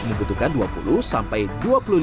membutuhkan dua puluh sampai dua puluh lima lembar crepes